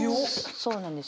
そうなんですよ。